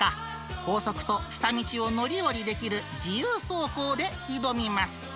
高速と下道を乗り降りできる自由走行で挑みます。